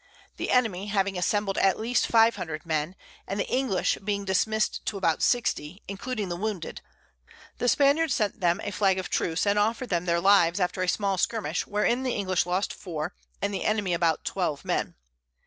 The Enemy having assembled at least 500 Men, and the English being diminish'd to about 60, including the Wounded; the Spaniards sent them a Flag of Truce, and offer'd them their Lives after a small Skirmish, wherein the English lost 4, and the Enemy about 12 Men.